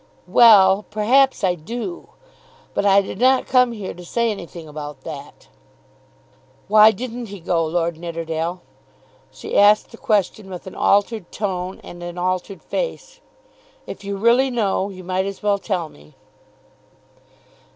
"Well; perhaps I do. But I did not come here to say anything about that." "Why didn't he go, Lord Nidderdale?" She asked the question with an altered tone and an altered face. "If you really know, you might as well tell me."